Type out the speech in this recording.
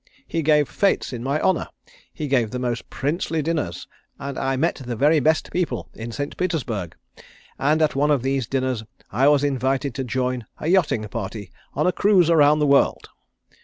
He gave fêtes in my honour. He gave the most princely dinners, and I met the very best people in St. Petersburg, and at one of these dinners I was invited to join a yachting party on a cruise around the world.